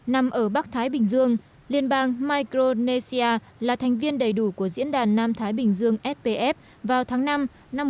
nằm ở bắc thái bình dương liên bang micronesia là thành viên đầy đủ của diễn đàn nam thái bình dương spf vào tháng năm năm một nghìn chín trăm tám mươi bảy